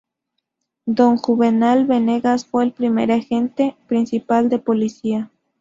Don Juvenal Venegas, fue el primer Agente Principal de Policía.